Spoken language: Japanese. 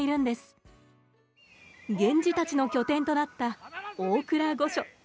源氏たちの拠点となった大倉御所。